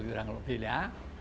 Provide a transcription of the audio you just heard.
kurang lebih ya